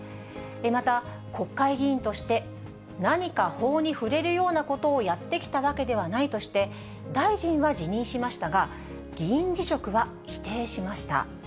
また、国会議員として何か法に触れるようなことをやってきたわけではないとして、大臣は辞任しましたが、議員辞職は否定しました。